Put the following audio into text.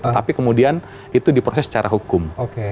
tapi kemudian itu diproses secara hukum